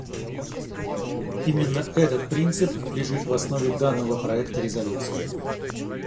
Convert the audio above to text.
Именно этот принцип лежит в основе данного проекта резолюции.